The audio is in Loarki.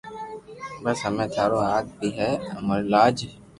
بس ھمي ٽارو ھاٿ مي ھي امري لاج